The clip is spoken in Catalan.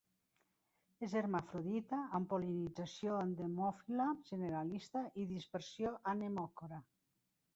És hermafrodita, amb pol·linització entomòfila generalista i dispersió anemocora.